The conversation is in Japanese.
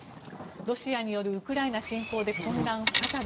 ロシアによるウクライナ侵攻で混乱再び。